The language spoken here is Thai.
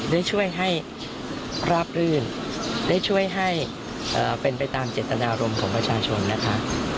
ได้ช่วยให้ราบรื่นได้ช่วยให้เป็นไปตามเจตนารมณ์ของประชาชนนะคะ